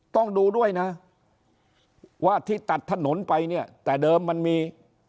ต้องดูด้วยนะว่าที่ตัดถนนไปเนี่ยแต่เดิมมันมี